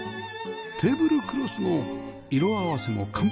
テーブルクロスの色合わせも完璧